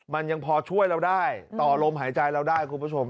มันยังพอช่วยเราได้ต่อลมหายใจเราได้คุณผู้ชม